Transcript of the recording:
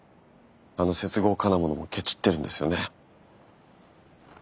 あの接合金物もケチってるんですよね。